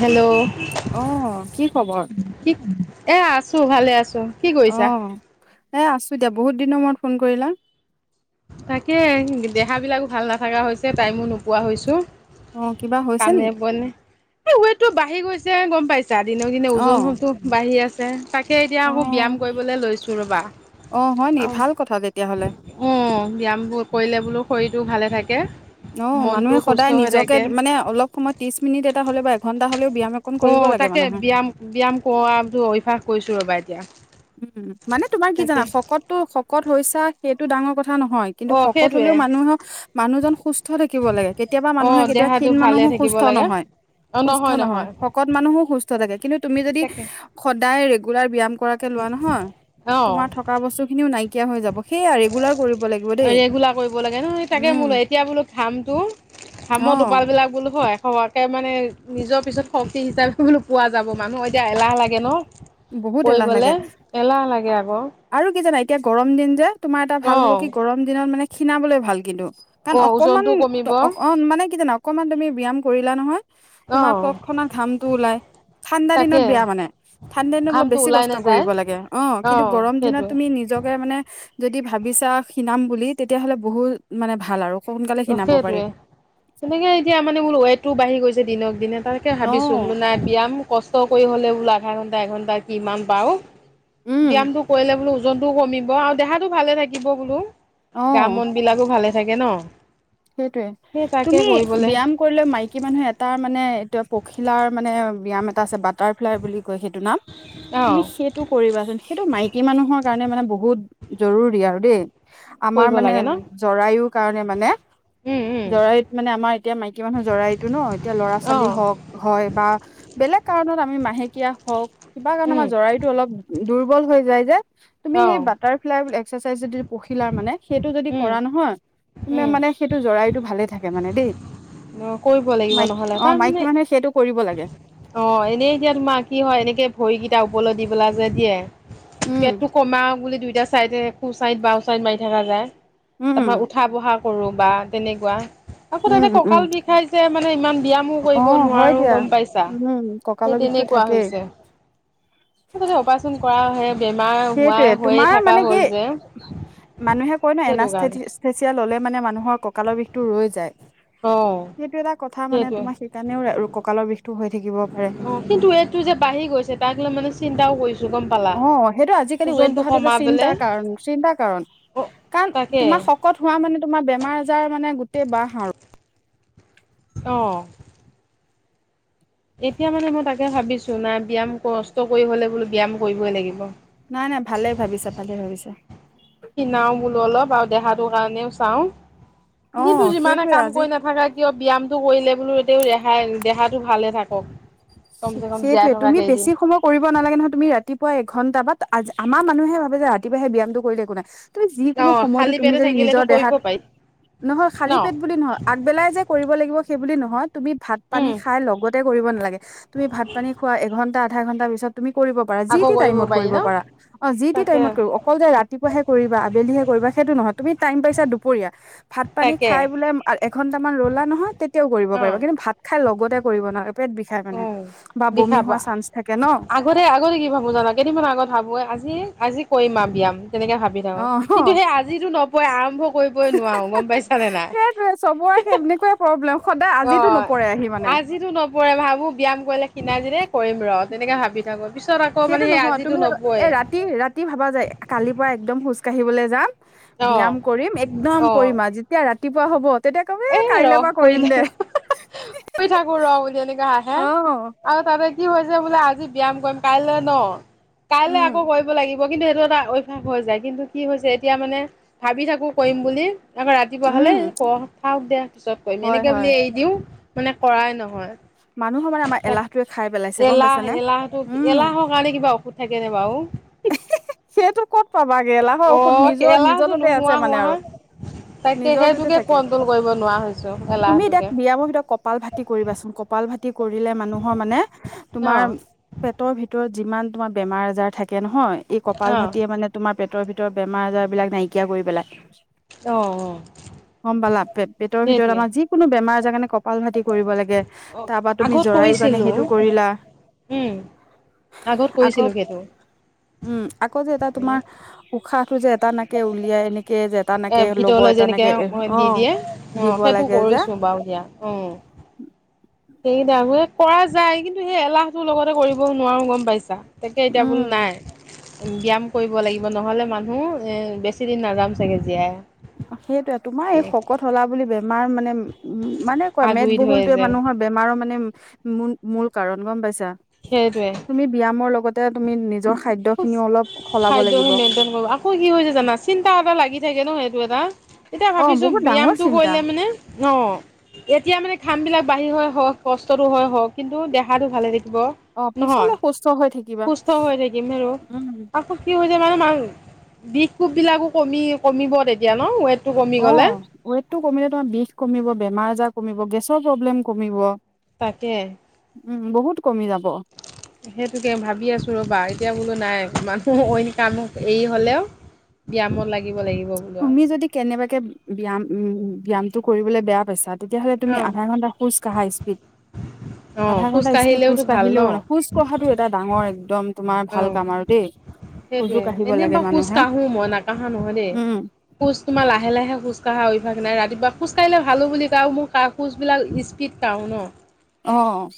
Hello অ', কি খবৰ? এ আছোঁ, ভালে আছোঁ। অ' এ আছোঁ দিয়া, বহুত দিনৰ মূৰত ফোন কৰিলে। তাকেই দেহাবিলাকো ভাল নাথাকা হৈছে, টাইমো নোপোৱা হৈছোঁ। অ', কিবা হৈছে কামে নেকি? বনে এ-ৱেটটো বাঢ়ি গৈছে গ'ম পাইছে। তাৰ দিনক দিনে ওজনটো অ', হোপত বাঢ়ি আছে। তেহ তাকে এতিয়া আকৌ ব্যায়াম অ', কৰিবলে লৈছোঁ ৰ'বা, অ', হয় নেকি আও ভাল কথা তেতিয়াহ'লে। অ' ব্যায়ামবোৰ কৰিলে বোলো শৰীৰটো ভালে থাকে। অ' মনটো মানুহে সুস্থ সদায় হৈ নিজকে থাকে মানে অলপ সময়ত ত্ৰিশ মিনিট এটা হ'লে বা এঘন্টা হ'লেও ব্যায়াম অকন অ' তাকে ব্যায়াম, ব্যায়াম কওৱাটো অভ্যাস কৰিছো ৰ'বা এতিয়া। উম, উম, মানে তোমাৰ কি তাকে জানা শকতটো শকত হৈছা সেইটো ডাঙৰ কথা নহয়। কিন্তু অঁ শকত সেইটোৱে হ'লেও মানুহক, মানুহজন সুস্থ থাকিব লাগে, কেতিয়াবা অঁ মানুহে কেতিওৱা দেহাটো ষীণ ভালে মানুহো। থাকিব সুস্থ লাগে নহয়, সুস্থ নহয় শকত মানুহো সুস্থ থাকে কিন্তু তুমি যদি। তাকে সদায় ৰেগুলাৰ ব্যায়াম কৰাকে লোৱা নহয়, অ' তোমাৰ থকা বস্তুখিনিও নাইকিয়া হৈ যাব। সেয়া ৰেগুলাৰ কৰিব লাগিব দেই ৰেগুলাৰ কৰিব লাগে নহয় তাকে উম মোলৌ এতিয়া বোলো ঘামটো অ ঘামৰ টোপাল বিলাক বোলো হয় হোৱাকে মানে নিজৰ পিছত শক্তি হিচাপটো বোলো পোৱা যাব মানুহ হৈত তিয়া এলাহ লাগে ন' বহুত এলাহ লাগে কৰিবলে, এলাহ লাগে আকৌ। আৰু কি জানা এতিয়া গৰম দিন যে তোমাৰ এটা ভাল হ'ব কি অ' গৰম দিনত মানে খীণাবলৈ ভাল কিন্তু। কাণ অ' অকমমান ওজনটো ত, কমিব অন মানে কি জানো অকমান তুমি ব্যয়ায়াম কৰিলা নহয়। তোমাৰ অ' কক খনা ঘামটো ওলাই, ঠাণ্ডা দিনত তাকে বেয়া মানে, ঠাণ্ডা দিনত অলপ ঘামটো বেছি ওলাই কষ্ট নাযায় কৰিব লাগে অ' কিন্তু গৰম দিনত তুমি নিজকে মানে যদি ভাবিছা শিনাম বুলি তেতিয়াহ'লে বহুত মানে ভাল আৰু। সোনকালে তৌ খীণাব পাৰি সেইটোৱে, তেনেকে এতিয়া মানে বোলো ৱেটোও বাঢ়ি গৈছে দিনক দিনে তাৰ কে অ ভাবিছো বোলো মই নাইক বিয়্যম কষ্ট কৰি হ'লেও বোলো আধা ঘণ্টা এঘণ্টা কিমান পাও। উম ব্যয়ামটো কৰিলে বোলো ওজনতটোও কমিব আৰু দেহাতটো ভালে থাকিব বোলো, অ গা-মন বিলাকো ভালে থাকে ন? সেটোৱে, সেই তাকে তুমি কৰিবলে ব্যায়াম কৰিলে মাইকী মানুহে এটা মানে এতুয়া পখিলাৰ মানে ব্যায়াম এটা আছে বাটাৰফ্লাই বুলি কয় সেইটো নাম অ তুমি সেইটো কৰিবাচোন সেইটো মাইকী মানুহৰ কাৰণে মানে বহুত জৰুৰী আৰু দেই। আমাৰ কৰিব মানে, লাগে ন জৰায়ু কাৰণে মানে উম উম জৰাইত মানে আমাৰ এতিয়া মাইকী মানুহ জৰাইটো ন এতিয়া অ ল'ৰা-ছোৱালী হওক হয় বা, বেলেগ কাৰণত আমি মাহেকীয়া হওক, কিবা কাৰণে উম আমাৰ জৰাইতো অলপ দুৰ্বল হৈ যায় যে। তুমি অ সেই বাটাৰফ্লাই এক্সাৰচাইজ যদি পখিলাৰ মানে, সেইটো যদি উম কৰা নহয়, তুমি উম মানে সেইটো জৰাইটো ভালে থাকে মানে দেই, কৰিব লাগিব মাইকী নহ'লে অ' মাইকী তাৰমানে মানুহে সেইটো কৰিব লাগে। অ' এনেই এতিয়া তোমাৰ কি হয় এনেকে ভৰিকেইটা উপৰলে দি পেলাই যে দিয়ে। উম্ সোমাওগ বুলি দুইটা চাইডে সোঁ চাইদ বাওঁ চাইত মাৰি থকা যায়, উম তাৰ উঠা বহা কৰোঁ বা তেনেকুৱা। আকৌ উম তাতে উম উম কঁকাল বিষাই যে, মানে ইমান ব্যায়ামো অ কৰিব হয় নোৱাৰো দিয়া গম পাইছা। উম সেই কঁকালৰ বিষটো তেনেকুৱা থাকেই হৈছে, তাতে অপাৰেচন কৰাহে বেমাৰ হোৱা সেইটোয়ে, হৈয়ে তোমাৰ থকা মানে কি হ'ল যে মানুহে কয় ন সেইটো কাৰণে। এনাস্থেচিয়া এনাস্থেচিয়া ল'লে মানে মানুহৰ কঁকালৰ বিষটো ৰৈ যায়, অ', সেইটো এটা কথা মানে সেইটোৱে তোমাৰ সেই কাৰণেও কঁকালৰ বিষটো হৈ থাকিব পাৰে। অ', কিন্তু এইটো যে বাঢ়ি গৈছে তাক লৈ মানে চিন্তাও কৰিছো। অ' সেইটো আজিকালি ৱেট বহাটো এটা কমাবলে চিন্তাৰ কাৰণ চিন্তাৰ কাৰণ। অ' কাৰণ তাকে। তোমাৰ শকত হোৱা মানে তোমাৰ বেমাৰ আজাৰ মানে গোটেই বাহ আৰু। অ'। এতিয়া মানে মই তাকে ভাবিছো, নাই ব্যায়াম কষ্ট কৰি হলে বোলো ব্যায়াম কৰিবই লাগিব। নাই নাই ভালেই ভাবিছা, ভালে ভাবিছা। কিনাও বোলো অলপ আৰু দেহাটোৰ কাৰণেও চাও, অ দিনটো যিমানে সেইটোয়ে কাম আজি কৰি নাথাকা কিয় কিয় ব্যয়ায়ামটো কৰিলে বোলো এতিয়াও ৰেহাই দেহাটো ভালে থাকো। ঠিক সেইটোয়ে তুমি বেছি সময় কৰিব নালাগে নহয়, তুমি ৰাতিপুৱা এঘণ্টা বাত আ আমাৰ মানুহে ভাবে যে ৰাতিপুৱাই সেই ব্যায়ামটো কৰিলে একো নাই। তুমি যিকোনো অ', সময়তো, খালী তুমি পেটে যদি থাকিলেতো নিজৰ কৰিব দেহাত, পাৰি নহয় ন? খালী পেট বুলি নহয়। আগবেলাই যে কৰিব লাগিব সেইবুলি নহয়, তুমি ভাত পানী উম, খাই লগতে কৰিব নালাগে। তুমি ভাত পানী খোৱা এঘণ্টা আধা ঘণ্টা পিছত তুমি কৰিবা অ' যি আকৌ টি টাইমত পাৰি কৰিব ন? পাৰা, যি টি তাকে, টাইমত কৰিব পাৰা অকল যে ৰাতিপুৱাহে কৰিবা, আবেলিহে কৰিবা সেইটো নহয় তুমি টাইম পাইছা দুপৰীয়া ভাত পানী তাকে খাই বোলে এঘন্টামান ৰ'লা নহয়, তেতিয়াও কৰিব পাৰিব অ', কিন্তু ভাত খাই লগতে কৰিব নালাগে, পেট বিষাই মানে উম, বা বমি বিষাব হোৱা চান্স থাকে ন। আগতে, আগতে কি ভাবো জানা কেইদিনমান আগত ভাবোৱে আজি, আজি কৰিম আৰু ব্যায়াম তেনেকে ভাবি অ কিন্তু সেই আজিটো নপৰেই আৰম্ভ কৰিবই নোৱাৰো, গম পাইছা নে নাই। সেইটোৱে চবৰে সেই তেনেকুৱাই প্ৰব্লেম সদায়, আজিতো অ', নপৰেহি মানে। আজিতো নপৰে ভাবো ব্যায়াম কৰিলে ক্ষিনাই যদি এই কৰিম ৰ'। তেনেকে ভাবি থাকোঁ পিছত আকৌ সেইটো মানে সেই নহয় তুমি আজিতো নপৰে। এ ৰাতি, ৰাতি ভাবা যায় কালিৰ পৰা একদম খোজ কাঢ়িবলৈ যাম অ', ব্যায়াম কৰিম, একদম অ', কৰিম আৰু যেতিয়া ৰাতিপুৱা হ'ব তেতিয়া ক'ম এ এই কাইলে ৰহ পা কৰিম দে, কৰিলে কৰি থাকো ৰ [unintelligible] বুলি এনেকে হাঁহে অহ। আৰু তাতে কি হৈছে বোলে আজি ব্যায়াম কৰিম কাইলে ন, কাইলে আকৌ উম কৰিব লাগিব ব কিন্তু এইটো এটা অভ্যাস হৈ যায়, কিন্তু কি হৈছে এতিয়া মানে ভাবি থাকোঁ কৰিম বুলি। আকৌ ৰাতিপুৱা হ'লে উম কওঁ থাওঁক দে পিছত কৰিম, হয় এনেকে হয় বুলি এৰি দিওঁ মানে কৰাই নহয়। মানুহৰ মানে আমাৰ তাকে, এলাহটোৱে খাই পেলাইছে গম এলাহ, পাইছানে এলাহটো, উম এলাহৰ কাৰণে কিবা ঔষধ থাকেনে বাৰু! সেইটো ক'ত পাবাগে, এলাহৰ অ ঔষধ নিজৰ, নিজৰ এলাহটো তাতে আছে নোহোৱা মানে হোৱা আৰু। হয় তাকে নিজৰ তাতে সেইটোকে থাকে, কন্ট্ৰল কৰিব নোৱাৰা হৈছো তুমি এতিয়া এলাহটোকে ব্যায়াম ভিতৰত ক কপাল ভাতি কৰিবাচোন, কপালভাতি কৰিলে মানুহৰ মানে, অ তোমাৰ পেটৰ ভিতৰত যিমান তোমাৰ বেমাৰ আজাৰ থাকে নহয়, এই অ কপালভাতিয়ে মানে তোমাৰ পেটৰ ভিতৰৰ বেমাৰ আজাৰবিলাক নাইকিয়া কৰি পেলায়। অ অ গম পালা, পে-পেটৰ ভিতৰত সেইটোৱে আমাৰ যিকোনো বেমাৰ আজাৰ কাৰণে কপালভাতি কৰিব লাগে। তাৰপা তুমি আগত জৰায়ু কাৰণে কৰিছিলো সেইটো কৰিলা। উম আগত আকৌ কৰিছিলো সেইটো উম, আকৌ যে এটা তোমাৰ উশাহটো যে এটা নাকে উলিয়াই এনেকে এটা এ নাকে ল'ব ভিতৰলৈ এটা যেনেকে নাকে দি অ', দিয়ে দিব সেইটো লাগে যে কৰিছো বাৰু দিয়া অ'। সেইকেইটা এ, কৰা যায় কিন্তু সেই এলাহটোৰ লগতে কৰিব নোৱাৰো গম পাইছা। তাকে এতিয়া বোলো উম নাই ব্যায়াম কৰিব লাগিব নহ'লে মানুহ বেছিদিন নাজাম চাগে জীয়াই। সেইটোৱে তোমাৰ এই শকত হ'লা বুলি বেমাৰ মানে উম, মানে কোৱা আগুৰি ধৰে মেদবহুলটোৱে যে মানুহৰ বেমাৰ মানে মূল কাৰণ গম পাইছা। সেইটোৱে। তুমি ব্যায়াম লগতে তুমি নিজৰ খাদ্যখিনিও অলপ সলাব লাগিব। [inaudible] অ', কি হৈছে জানা চিন্তা এটা লাগি থাকে ন' এইটো এটা এতিয়া অ ভাবিছোঁ বহুত ডাঙৰ ব্যায়ামটো চিন্তা কৰিলে মানে [inaudible] এতিয়া মানে ঘামবিলাক বাঢ়ি হয়, হ' কষ্টটো হয়, হ' কিন্তু দেহাটো ভালে থাকিব। অ', পিছলে নহয় সুস্থ হৈ থাকিবা। সুস্থ [inaudible] [unintelligible] উম হৈছে মানে বিষ কোপবিলাকো কমি- কমিব তেতিয়া ন ৱে অ', ৱেইটো কমিলে তোমাৰ বিষ কমিব, বেমাৰ আজাৰ কমিব, গেছৰ প্ৰব্লেম কমিব। তাকে। উম বহুত কমি যাব সেইটোকে ভাবি আছোঁ ৰ'বা, এতিয়া বোলো নাই মানুহ অইন কাম এৰি হ'লেও ব্যায়ামত লাগিব, লাগিব। বোলো আৰু তুমি যদি কেনেবাকে ব্যয়াম, ব্যায়ামটো কৰিবলৈ বেয়া পাইছা তেতিয়াহ'লে তুমি অ আধাঘণ্টা খোজকাঢ়া স্পীড, অ খোজ আধাঘণ্টা স্পীড কাঢ়িলেওতো ভাল ন খোজকাঢ়িলেও খোজ কঢ়াটো এটা ডাঙৰ একদম তোমাৰ ভাল কাম আৰু দেই। খোজো সেইটোয়ে কাঢ়িব এনেই লাগে বাৰু মানুহে খোজকাঢ়ো মই নাকাঢ়া নহয় দেই। উম খোজ তোমাৰ লাহে, লাহে খোজকাঢ়া অভ্যাস নাই ৰাতিপুৱা খোজকাঢ়িলে ভালো বুলি কয় আৰু মোৰ খোজবিলাক স্পীড কাঢ়ো ন। অ'।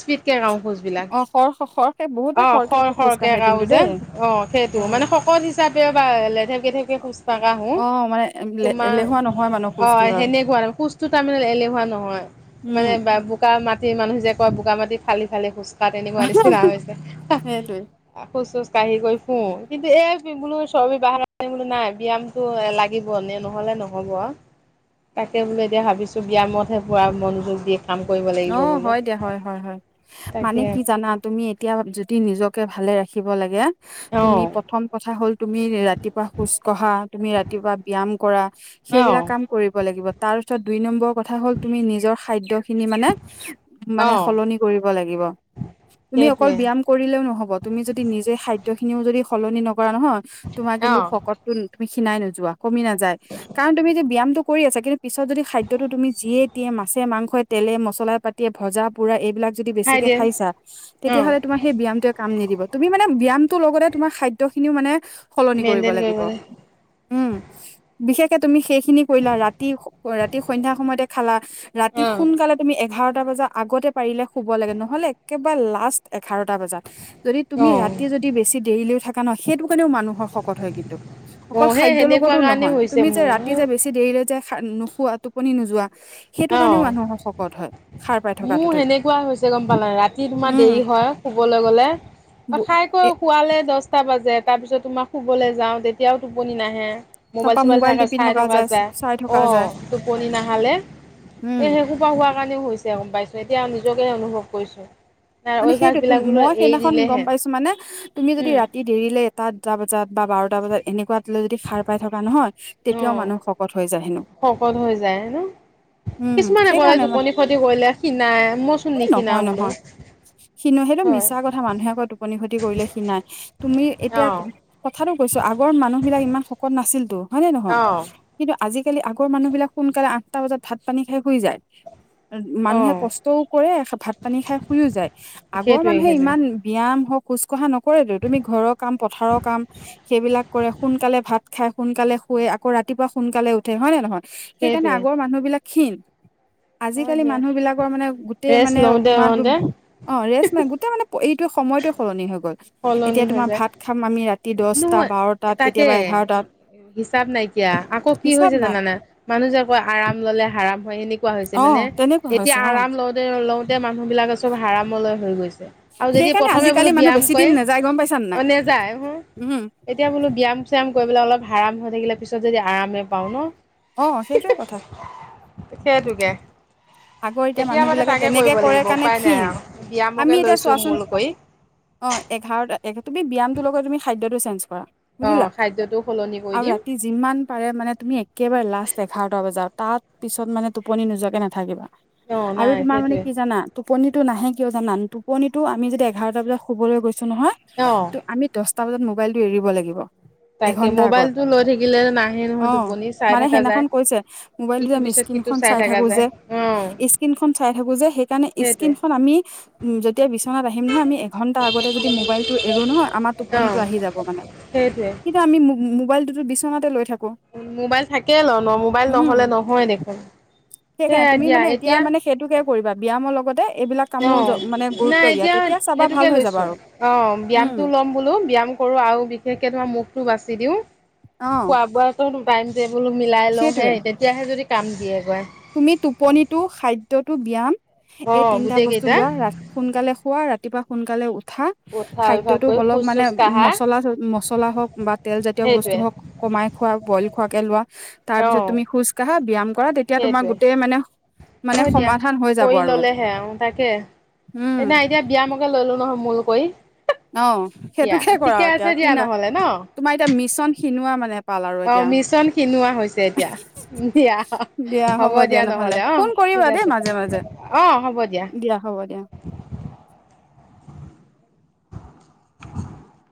স্পীডকে কঢ়ো খোজবিলাক অ খৰ খৰকে বহুতে অ', খৰকে খৰ, খোজ খৰকে কাঢ়ে কিন্তু কাঢ়োঁ যে। দেই অ', সেইটো মানে শকত হিচাপেও বা লেধেপ গেধেপ কে খোজ নাকাঢ়ো অ মানে তোমাৰ এলেহুৱা নহয় মানুহ অ', খোজটোৰ আৰু হেনে খোজটো তাৰমানে এলেহুৱা নহয় মানে, উম বা বগা মাটিৰ মানুহ যে কয় বগা মাটি ফালি ফালি খোজকাঢ় তেনেকুৱা নিচিনা হৈছে। সেইটোৱে [unintelligible] কঢ়ি কৰি ফুৰো, কিন্তু এই বোলো চৰ্বি বাহা বোলো নাই ব্যায়ামটো লাগিব নহলে নহব নহ'ব, তাকে বোলে এতিয়া ভাবিছোঁ ব্যায়ামতহে পুৰা মনোযোগ দিম। অ' হয় দিয়া হয়, হয়, হয় মানে তাকে কি জানা তুমি এতিয়া যদি নিজকে ভালে ৰাখিব লাগে তুমি অঁ প্ৰথম কথা হ'ল তুমি ৰাতিপুৱা খোজ কঢ়া তুমি ৰাতিপুৱা ব্যয়াম কৰা অঁ সেইবিলাক কাম কৰিব লাগিব তাৰপিছত দুই নম্বৰৰ কথা হ'ল তুমি নিজৰ খাদ্যখিনি মানে, মানে অঁ সলনি কৰিব লাগিব, তুমি অকল সেইটোৱে বিয়্যাম কৰিলেও নহব, তুমি যদি নিজে খাদ্য খিনিও যদি সলনি নকৰা নহয়, তোমাৰ কিন্তু অঁ শকতটো তুমি ক্ষিনাই নোযোৱা, কমি নাযায়, কাৰণ তুমি যে ব্যায়ামটো কৰি আছা, কিন্তু পিছত যদি খাদ্যটো তুমি যিয়ে দিয়ে মাছে মাংসই তেলে মছলা পাতিয়ে ভজা পোৰা এইবিলাক যদি খাই বেছিকে দিয়ে খাইছা, তেতিয়া অঁ হ'লে তোমাৰ সেই বিয়্যামটোৱে কাম নিদিব তুমি মানে ব্যয়ামটো লগতে তোমাৰ খাদ্যখিনিও মানে সলনি কৰিব মেইনটেইন লাগিব। লাগে উম, বিশেষকে তুমি সেইখিনি কৰিলা ৰাতি ৰাতি সন্ধ্যা সময়তে খালা ৰাতি অঁ সোনকালে তুমি এঘাৰটা বজা আগতে পাৰিলে শুব লাগে নহ'লে একেবাৰে লাষ্ট এঘাৰটা বজাত যদি তুমি অঁ ৰাতিয় যদি বেছি দেৰিলেও থাকা ন সেইটো কাৰণেও মানুহৰ শকত হয় কিন্তু। অকল অঁ সেই খাদ্যয় সেনেকুৱা লগতো কাৰণে নহয় হৈছে তুমি যে ৰাতি যে মোৰ বেছি দেৰিলৈ যায় খ নোখোৱা টোপনি নোযোৱা সেইটো কাৰণেও অঁ মানুহৰক্ত মোৰ সেনেকুৱাই হৈছে গম পালা ৰাতি তোমাৰ উম দেৰি হয়। শুবলৈ গ'লে, খাই কৈ এ শুৱালে দহটা বাজে তাৰপিছত তোমাক শুবলৈ যাওঁ তেতিয়াও টোপনি নাহে। তাৰপা মোবাইল চোবাইল থাকে টিপি চাই থকা যায়, চাই থকা যায় অ' টোপনি নাহালৈ। উম এ শেই সোপা হোৱাৰ কাৰণেও হৈছে, গম পাইছো এতিয়া নিজকেহে অনুভৱ কৰিছো। মানে সেইটো মই সেইদিনাখন গম পাইছো মানে তুমি যদি উম ৰাতি দেৰিলে এটা দুটা বজাত বা বাৰটা বজাত এনেকুৱাত লৈ যদি সাৰ পাই থকা নহয়। তেতিয়াও অ' মানুহ শকত হৈ যায় হেনো। শকত হৈ যায় ন উম কিছুমানে কলে সেইকাৰণে মই টোপনি ফটি কৰিলে কিণাই মইচোন এই নিশিনা নহয় বোলো। নহয় সিনো সেইটো হয় মিছা কথা মানুহে আকৌ টোপনি ক্ষতি কৰিলে সি নাই, তুমি এতিয়া অ' কথাটো কৈছো আগৰ মানুহ বিলাক ইমান শকত নাছিলতো হয় নে নহয়? অ' কিন্তু আজিকালি আগৰ মানুহ বিলাক সোনকালে আঠটা বজাত ভাত পানী খাই শুই যায়। মানুহে অ' কষ্টও কৰে ভাত পানী খাই শুইও যায়, আগৰ সেইটোৱে মানুহে সেইটোৱে ইমান ব্যায়াম হওক খোজ কঢ়া নকৰেতো তুমি ঘৰৰ কাম পথাৰৰ কাম সেইবিলাক কৰে সোনকালে ভাত খাই সোনকালে শুুৱে আকৌ ৰাতিপুৱা সোনকালে উ উ হয় নে নহয় সেইকাৰণে সেইটোৱে আগৰ মানুহ বিলাক ক্ষিণ। হয় আজিকালি দিয়া মানুহ বিলাকৰ মানে গোটেই ৰেষ্ট মানে লওঁতে তোমাৰো লওঁতে অ' ৰেষ্ট মাই গোটেই মানে এইটো সময়টো সলনি হৈ গল সলনি এতিয়া হৈ তোমাৰ যায় ভাত খাম আমি ৰাতি দহটা নহয়, বাৰটাত তাকে কেতিয়াবা এঘাৰটাত হিচাপ নাইকিয়া, আকৌ কি হিচাপ হৈছে নাই জানানা মানুহ যে কয় আৰাম ললে হৰাম হয়, এনেকুৱা হৈছে, অ মানে তেনেকুৱা এতিয়া হৈছে অ আৰাম লওঁ লওঁতে মানুহ বিলাকে চব হাৰামলৈ হৈ গৈছে। আৰু যদি সেইকাৰণে প্ৰথমে বোলো আজিকালি মানুহ ব্যায়াম বেছি দিন কৰে নাযায় গম পাইছানে অ নাই, নেযায় হ উম। এতিয়া বোলো ব্যায়াম চ্যায়াম কৰিবলে অলপ হৰাম হৈ থাকিলে পিছত যদি আৰামে পাওঁ ন। অ' সেইটোৱে কথা। সেইটোকে। আগৰ এতিয়া মানুহ মানে বিলাকে তাকে কৰিব তেনেকে কৰে লাগিব কাৰণে উপায় নাই ক্ষীণ, আৰু ব্যায়ামকে আমি এতিয়া লৈছো মূল চোৱাচোন কৰি অ' এঘাৰটা তুমি ব্যায়ামটো লগত তুমি খাদ্যটো চেঞ্জ কৰা। অ বুজিলা, খাদ্যটো সলনি কৰি আৰু দিম ৰাতি যিমান পাৰে মানে তুমি একেবাৰে লাষ্ট এঘাৰটা বজাত তাত পিছত মানে টোপনি নোযোৱাকে নাথাকিবা। অ আৰু নাই তোমাৰ মানে সেইটোৱে কি জানা? টোপনিটো নাহে কিয় জানান টোপনিটো আমি যদি এঘাৰটা বজাত শুবলৈ গৈছোঁ নহয়! অ'। ত আমি দছটা বজাত মোবাইলটো এৰিব লাগিব। তাকে এঘন্টা আগত মোবাইলটো লৈ থাকিলে নাহে নহয় অ টোপনি। চাই মানে থকা যায় সেইদিনাখন কৈছে, মোবাইলটো যে ইটো আমি পিছত সিটো স্ক্ৰীনখন চাই থকা থাকোঁ যায় যে অ স্ক্ৰীনখন চাই থাকোঁ যে সেইকাৰণে সেইটোৱে স্ক্ৰীনখন আমি উম, যেতিয়া বিচনাত আহিম নহয় আমি ঘন্টা আগতে যদি মোবাইলটো এৰো নহয় আমাৰ অ টোপনিটো আহি যাব মানে। সেইটোৱে ন্তু আমি মো-মোবাইলটোতো বিচনাতে লৈ থাকোঁ! মোবাইল থাকেই ল ন মোবাইল নহ'লে নহয় দেখোন, সেইকাৰণে সেয়া তুমি দিয়া মানে এতিয়া মানে সেইটোকে কৰিবা ব্যায়ামৰ লগতে এইবিলাক কামো অ', মানে গুৰুত্ব নাই দিয়া এতিয়া তেতিয়া চাবা ভাল সেইটোকে হৈ যাবা লৈছোঁ আৰু অ', উম ব্যায়ামটো ল'ম বোলো ব্যায়াম কৰোঁ আৰু বিশেষকে ধৰা মুখটো বাছি দিওঁ, অ খোৱা বোৱা সেইটো টাই ম টেবুল মিলাই লওঁ সেইটোয়ে হেই, তেতিয়াহে যদি কাম দিয়েগৈ। তুমি টোপনিতটো, খাদ্যটো, ব্যয়াম অ এই তিনটা গোটেই বস্তু কেইটা লোৱা ৰাতি সোনকালে শুৱা, ৰাতিপুৱা সোনকালে উঠা। উঠা অভ্যাস খাদ্যটো কৰি অলপ খোজ মানে চোজ কাঢ়া মছলা, মছলা হওঁক বা তেলজাতীয় বস্তু সেইটোৱে হওঁক কমাই খোৱা বইল খোৱাকে লোৱা, তাৰ অ পিছত তুমি খোজকাঢ়া ব্যায়াম কৰা তেতিয়া তোমাৰ সেইটোৱে গোটেই মানে মানে হয়, দিয়া সমাধান হৈ যাব কৰি আৰু ল'লেহে অ', তাকে উম এনে আইডিয়া ব্যায়াম কে ল'লো নহয় মূল কৰি অ দিয়া, সেইটোকে কৰা ঠিকে এতিয়া আছে দিয়া কিনা নহ'লে ন! তোমাৰ এতিয়া মিছন খিনোৱা মানে পাল আৰু অ', এতিয়া মিছন ক্ষীণোৱা হৈছে এতিয়া দিয়া। দিয়া হ'ব দিয়া নহ'লে অ', ফোন ঠিক কৰিবা দেই আছে মাজে মাজে অ', হ'ব দিয়া। হ'ব দিয়া [inaudible]